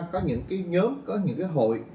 có những nhóm có những hội